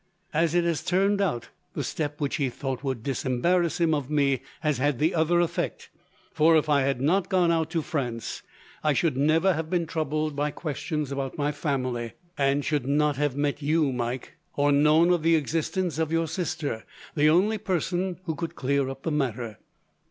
As it has turned out, the step which he thought would disembarrass him of me has had the other effect, for, if I had not gone out to France, I should never have been troubled by questions about my family; and should not have met you, Mike, or known of the existence of your sister, the only person who could clear up the matter.